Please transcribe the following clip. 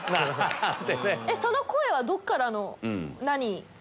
その声はどっからの何？